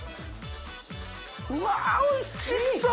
うわおいしそう！